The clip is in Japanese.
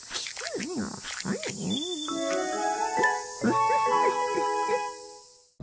ウフフフフ。